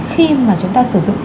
khi mà chúng ta sử dụng